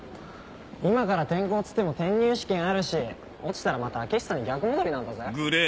今から転校っつっても転入試験あるし落ちたらまた開久に逆戻りなんだぜ。